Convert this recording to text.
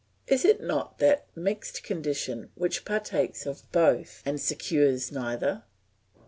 Is it not that mixed condition which partakes of both and secures neither?